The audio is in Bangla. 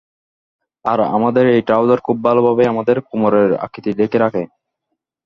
আর আমাদের এই ট্রাউজার খুব ভালোভাবেই আমাদের কোমরের আকৃতি ঢেকে রাখে।